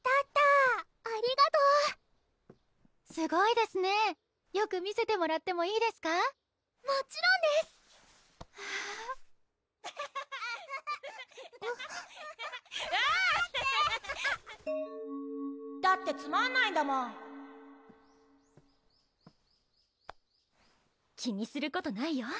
ありがとうすごいですねよく見せてもらってもいいですかもちろんですわぁ・キャハハハハ・待てだってつまんないんだもん気にすることないよ